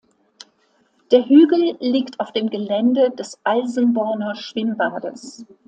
Der Hügel liegt auf dem Gelände des Alsenborner Schwimmbades.